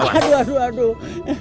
aduh aduh aduh